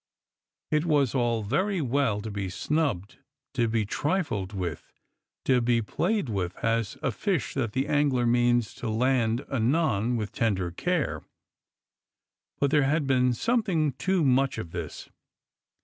It was all very well to be snubbed, to be trilled with, to be played with as a fish that the angler means to land anon with tender care, but there had been something too much of this.